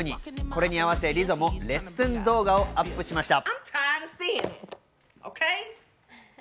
これに合わせＬＩＺＺＯもレッスン動画をアップしました。